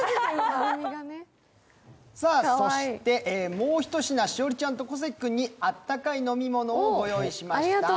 もう一品、栞里ちゃんと小関君にあったかい飲み物をご用意しました。